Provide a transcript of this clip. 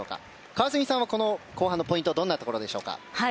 川澄さん、後半のポイントはどんなところでしょうか。